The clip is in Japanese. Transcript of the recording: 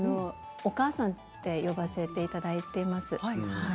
お母さんと呼ばせていただいてもらっています。